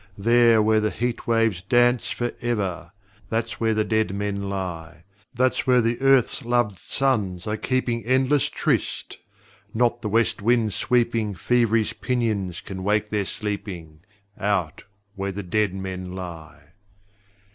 There where the heat waves dance forever That's where the dead men lie! That's where the Earth's loved sons are keeping Endless tryst: not the west wind sweeping Feverish pinions can wake their sleeping Out where the dead men lie!